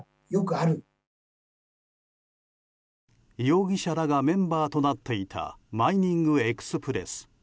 容疑者らがメンバーとなっていたマイニングエクスプレス。